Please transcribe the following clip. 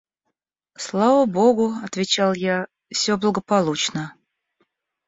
– Слава богу, – отвечал я, – все благополучно.